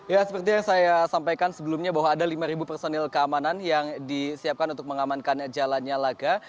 ya seperti yang saya sampaikan sebelumnya bahwa ada lima personil keamanan yang disiapkan untuk mengamankan jalannya laga